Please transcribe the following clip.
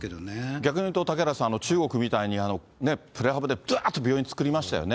逆に言うと嵩原さん、中国みたいにプレハブでばーっと病院作りましたよね。